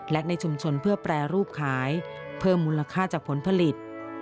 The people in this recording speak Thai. และในชุมชนเพื่อแปรรูปขายเพิ่มมูลค่าจากผลผลิต